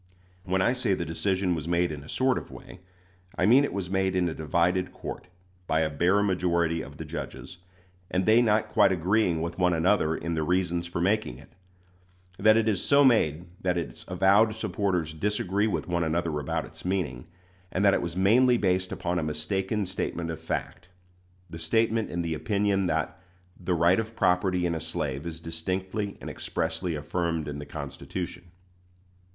When I say the decision was made in a sort of way, I mean it was made in a divided court, by a bare majority of the judges, and they not quite agreeing with one another in the reasons for making it; that it is so made that its avowed supporters disagree with one another about its meaning, and that it was mainly based upon a mistaken statement of fact the statement in the opinion that "the right of property in a slave is distinctly and expressly affirmed in the Constitution."